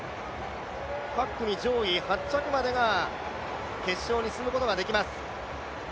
各組上位８着までが決勝に進むことができます。